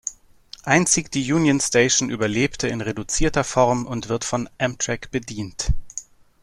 Einzig die Union Station überlebte in reduzierter Form und wird von Amtrak bedient.